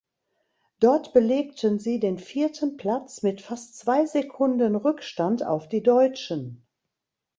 Dort belegten sie den vierten Platz mit fast zwei Sekunden Rückstand auf die Deutschen.